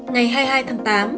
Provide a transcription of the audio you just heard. ngày hai mươi hai tháng tám